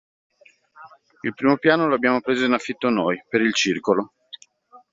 Il primo piano lo abbiamo preso in affitto noi, per il circolo.